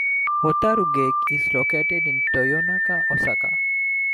Hotarugaike is located in Toyonaka, Osaka.